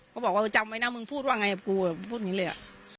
เขาบอกว่าจำไว้น้ำเมืองพูดว่ายังไงกับกูเขาก็พูดอย่างนี้เลย